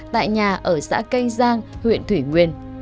tại nhà ở xã canh giang huyện thủy nguyên